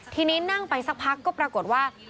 ทีนี้นั่งไปสักพักก็ปรากฏว่า